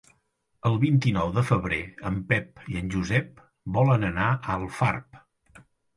El vint-i-nou de febrer en Pep i en Josep volen anar a Alfarb.